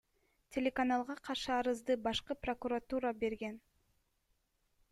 Телеканалга каршы арызды Башкы прокуратура берген.